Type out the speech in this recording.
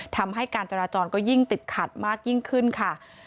ทำให้การจราจรก็ยิ่งติดขัดมากยิ่งขึ้นค่ะ